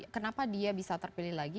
kenapa dia bisa terpilih lagi